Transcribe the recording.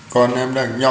con em đang nhỏ